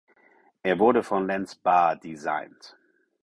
Er wurde von Lance Barr designt.